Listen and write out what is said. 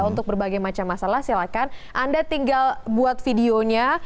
untuk berbagai macam masalah silahkan anda tinggal buat videonya